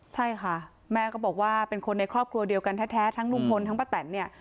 ใช่ค่ะแม่ก็บอกว่าเป็นคนในครอบครัวเดียวกันแท้ทั้งลุงพลทั้งป้าแตนเนี่ย